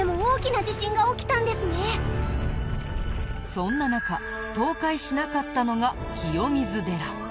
そんな中倒壊しなかったのが清水寺。